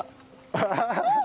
アハハハ！